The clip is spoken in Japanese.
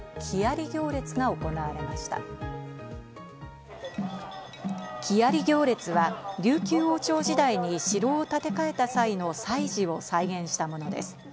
木遣行列が琉球王朝時代に城を建て替えた際の祭事を再現したものです。